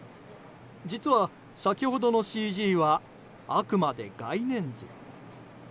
実は先ほどのＣＧはあくまで外面図。